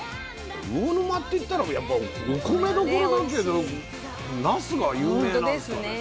魚沼っていったらやっぱお米どころだけどなすが有名なんですかね。